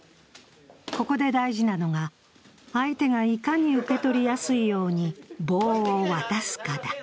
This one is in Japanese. ここで大事なのが相手がいかに受け取りやすいように棒を渡すかだ。